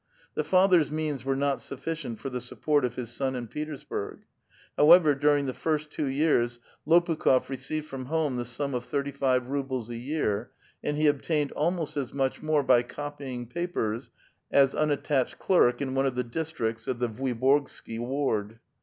The father's means were not sufficient for tlie support of his son in Petersburg ; however, during the first two years Lopu kh6f received from home the sum of thirty five rubies a year, and he obtained almost as much more by copying papers as unattached clerk in one of the districts of the Vuiborgsky ward.